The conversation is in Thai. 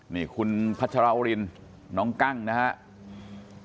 นี่คุณพัชราวรินน้องกั้งนะครับ